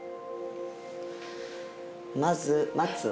まず松を。